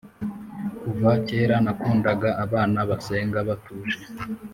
kuva kera nakundaga abana basenga batuje